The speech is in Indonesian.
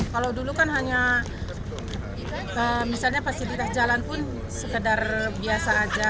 kalau dulu kan hanya misalnya fasilitas jalan pun sekedar biasa aja